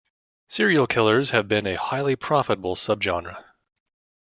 Serial killers have been a highly profitable subgenre.